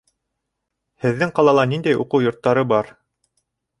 Һеҙҙең ҡалала ниндәй уҡыу йорттары бар?